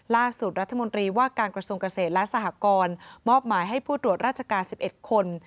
ล่าสุดรัฐมนตรีว่าการกระทรวงเกษตรและสหกรมอบหมายให้ผู้ตรวจราชการ๑๑คน